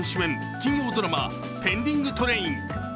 金曜ドラマ「ペンディングトレイン」。